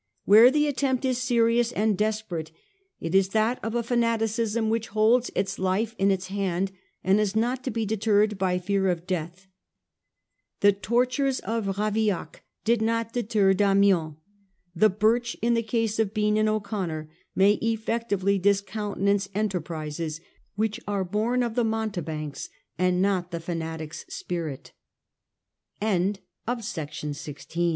Where the attempt is serious and desperate, it is that of a fanaticism which holds its life in its hand, and is not to be deterred by fear of death. The tortures of Ravaillac did not deter Damiens. The birch in the case of Bean and O'Connor may effectively discountenance enterprises which are born of the mounteb